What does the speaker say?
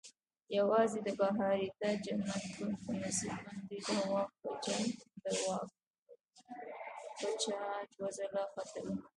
یوازې د بهاریته جنت ګوند په نصیب باندې د واک پچه دوه ځله ختلې.